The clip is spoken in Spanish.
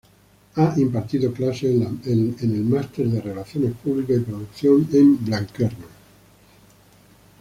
Ha impartido clases en el máster de relaciones públicas y producción en Blanquerna.